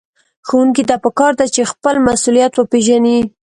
ښوونکي ته پکار ده چې خپل مسؤليت وپېژني.